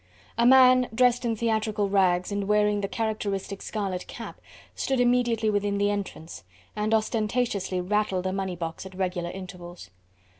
A man, dressed in theatrical rags and wearing the characteristic scarlet cap, stood immediately within the entrance, and ostentatiously rattled a money box at regular intervals.